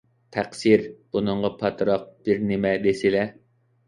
تەقسىر، بۇنىڭغا پاتراق بىرنېمە دېسىلە.